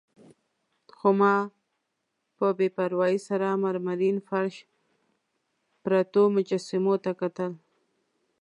خو ما په بې پروايي سره مرمرین فرش، پرتو مجسمو ته کتل.